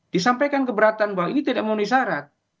disampaikan keberatan bahwa ini tidak memenuhi syarat